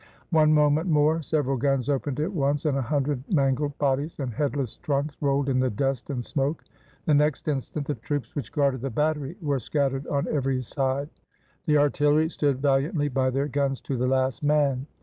One moment more — several guns opened at once, and a hundred mangled bodies and headless trunks rolled in the dust and smoke. The next instant, the troops which guarded the battery were scat tered on every side : the artillery stood valiantly by their guns to the last man.